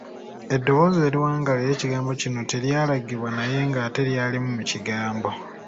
Eddoboozi eriwangaala ery'ekigambo kino teryalagibwa naye ng'ate lyalimu mu kigambo.